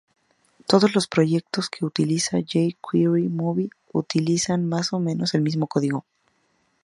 Todos los proyectos que utilizan jQuery Mobile utilizan más o menos el mismo código.